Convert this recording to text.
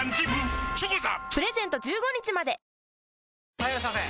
・はいいらっしゃいませ！